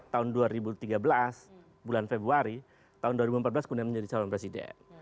tahun dua ribu tiga belas bulan februari tahun dua ribu empat belas kemudian menjadi calon presiden